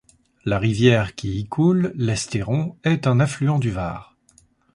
La rivière qui y coule, l'Estéron, est un affluent du Var.